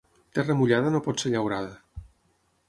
Terra mullada no pot ser llaurada.